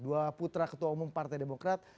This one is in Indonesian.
dua putra ketua umum partai demokrat